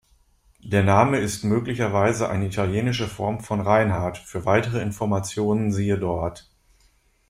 Der Name ist möglicherweise eine italienische Form von Reinhard, für weitere Informationen siehe dort.